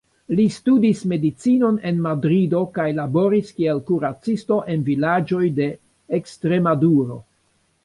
Li studis medicinon en Madrido kaj laboris kiel kuracisto en vilaĝoj de Ekstremaduro.